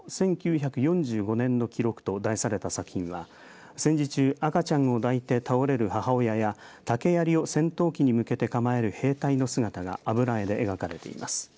１９４５年の記録と題された作品は戦時中赤ちゃんを抱いて倒れる母親や竹やりを戦闘機に向けて構える兵隊の姿が油絵で描かれています。